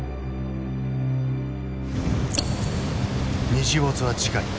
日没は近い。